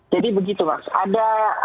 jadi begitu mas